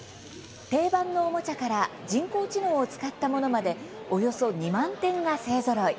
定番のおもちゃから人工知能を使ったものまでおよそ２万点が勢ぞろい。